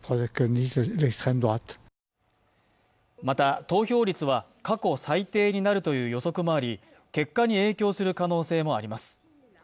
また、投票率は過去最低になるという予測もあり、結果に影響する可能性もあります。